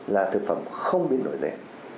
là thực phẩm không biến đổi gen